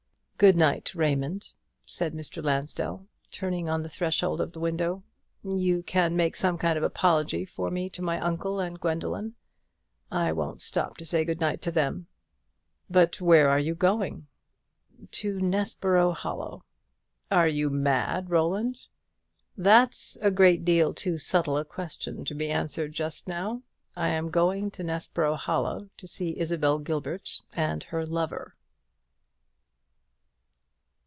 "Good night, Raymond," said Mr. Lansdell, turning on the threshold of the window. "You can make some kind of apology for me to my uncle and Gwendoline. I won't stop to say good night to them." "But where are you going?" "To Nessborough Hollow." "Are you mad, Roland?" "That's a great deal too subtle a question to be answered just now. I am going to Nessborough Hollow to see Isabel Gilbert and her lover."